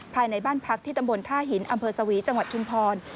ภายในบ้านพักที่ตำบลท่าหินอำเภอสวีจังหวัดชุมพร